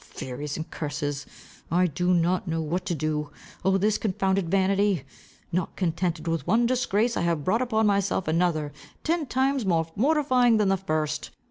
Furies and curses! I do not know what to do. Oh, this confounded vanity! Not contented with one disgrace, I have brought upon myself another, ten times more mortifying than the first.